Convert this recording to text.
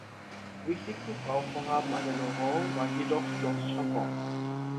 Wichtigstes Bauvorhaben an der Loire war jedoch Schloss Chambord.